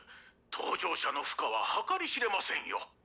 搭乗者の負荷は計り知れませんよ。